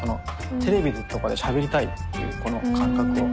テレビとかでしゃべりたいっていうこの感覚を。